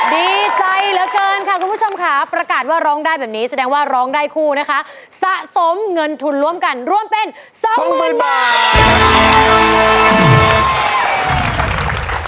ดีใจเหลือเกินค่ะคุณผู้ชมค่ะประกาศว่าร้องได้แบบนี้แสดงว่าร้องได้คู่นะคะสะสมเงินทุนร่วมกันร่วมเป็นสองหมื่นบาท